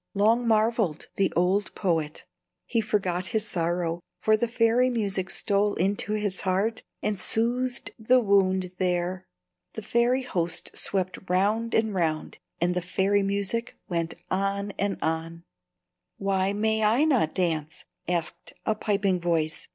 Long marvelled the old poet. He forgot his sorrow, for the fairy music stole into his heart and soothed the wound there. The fairy host swept round and round, and the fairy music went on and on. [Illustration: Musical Notation] "Why may I not dance?" asked a piping voice.